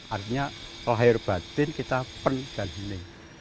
artinya lahir batin kita pen dan hening